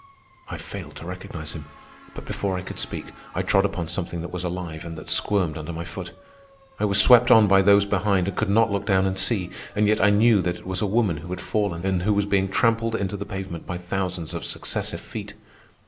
I failed to recognize him, but before I could speak I trod upon something that was alive and that squirmed under my foot. I was swept on by those behind and could not look down and see, and yet I knew that it was a woman who had fallen and who was being trampled into the pavement by thousands of successive feet.